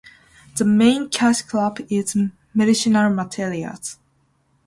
The main cash crop is medicinal materials.